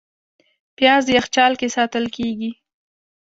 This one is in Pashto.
پیاز یخچال کې ساتل کېږي